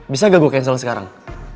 bisa gak gue cancel sekarang